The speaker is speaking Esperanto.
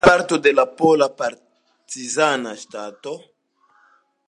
Ĝi estis parto de la Pola Partizana Ŝtato.